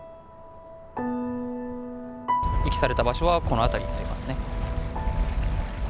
遺棄された場所はこの辺りになりますね。